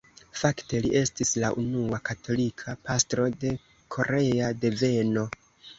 Fakte li estis la unua katolika pastro de korea deveno.